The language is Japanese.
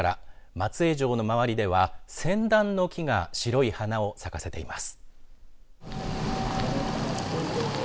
松江城の周りではセンダンの木が白い花を咲かせています。